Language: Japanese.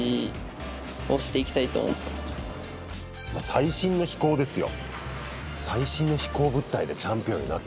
最新の飛行ですよ。